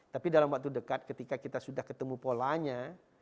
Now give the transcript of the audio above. tapi dalam waktu dekat ketika kita sudah ketemu polanya